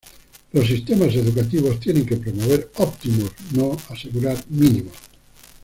Los sistemas educativos tienen que promover óptimos, no asegurar mínimos.